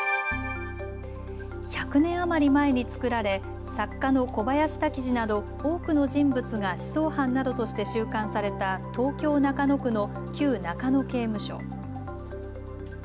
１００年余り前に造られ作家の小林多喜二など多くの人物が思想犯などとして収監された東京中野区の旧中野刑務所。